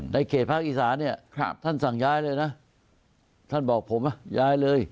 เขตภาคอีสานเนี่ยท่านสั่งย้ายเลยนะท่านบอกผมอ่ะย้ายเลย